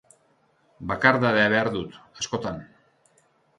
Bakardadea behar dut, askotan.